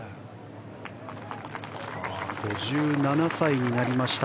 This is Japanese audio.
５７歳になりました。